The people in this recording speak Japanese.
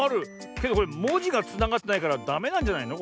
けどこれもじがつながってないからダメなんじゃないの？